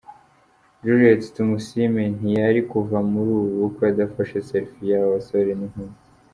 Juliet Tumusiime ntiyari kuva muri ubu bukwe adafashe 'Selfie' y'aba basore n'inkumi.